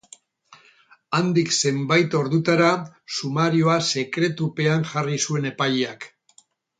Handik zenbait ordutara, sumarioa sekretupean jarri zuen epaileak.